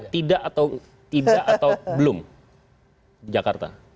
tidak atau belum di jakarta